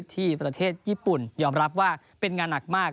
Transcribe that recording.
ที่ประเทศญี่ปุ่นยอมรับว่าเป็นงานหนักมาก